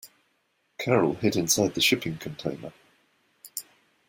Carol hid inside the shipping container.